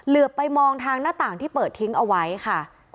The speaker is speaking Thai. ไปมองทางหน้าต่างที่เปิดทิ้งเอาไว้ค่ะ